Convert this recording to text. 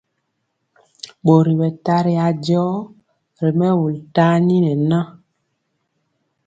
Ɓori ɓɛ tari ajɔ ri mɛwul tani nɛ na.